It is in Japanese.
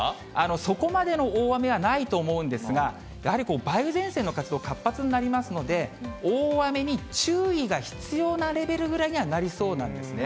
そこまでの大雨はないと思うんですが、やはり梅雨前線の活動、活発になりますので、大雨に注意が必要なくらいのレベルにはなりそうなんですね。